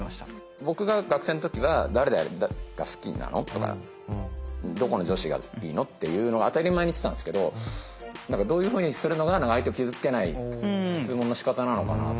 僕が学生の時は「誰々が好きなの？」とか「どこの女子がいいの？」っていうのを当たり前に言ってたんですけどどういうふうにするのが相手を傷つけない質問のしかたなのかな。